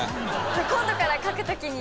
今度から書く時に。